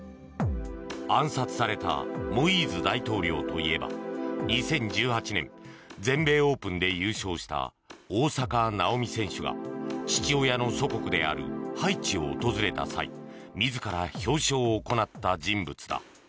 暗殺されたモイーズ大統領といえば２０１８年、全米オープンで優勝した大坂なおみ選手が父親の祖国であるハイチを訪れた際自ら表彰を行った人物だ。